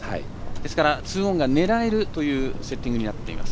ですから２オンが狙えるセッティングになっています。